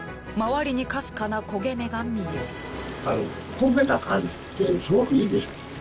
周りにかすかな焦げ目が見える。